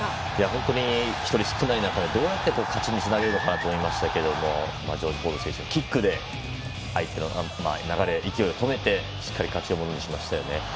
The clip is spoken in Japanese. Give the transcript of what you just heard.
本当に１人少ない中でどうやって勝ちにつなげるのかと思いましたけどもジョージ・フォード選手がキックで相手の流れ勢いを止めてしっかり勝ちをものにしましたよね。